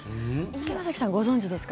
島崎さん、ご存じですか？